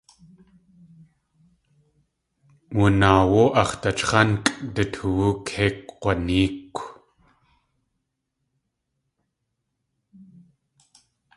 Wunaawú ax̲ dachx̲ánkʼ du toowú kei kg̲wanéekw.